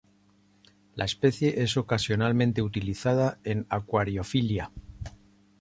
La especie es ocasionalmente utilizada en acuariofilia.